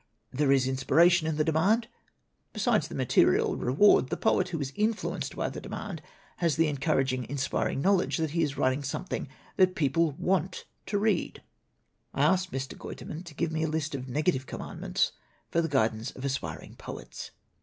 There is inspiration in the demand. Besides the material reward, the poet who is influenced by the demand has the encouraging, inspiring knowl edge that he is writing something that people want to read." I asked Mr. Guiterman to give me a list of negative commandments for the guidance of as piring poets.